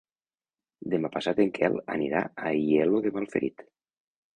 Demà passat en Quel anirà a Aielo de Malferit.